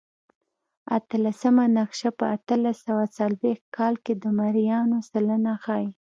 اتلسمه نقشه په اتلس سوه څلوېښت کال کې د مریانو سلنه ښيي.